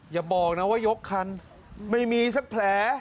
อย่าบอกนะว่ายกคันไม่มีสักแผล